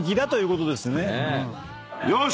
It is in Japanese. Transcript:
よし！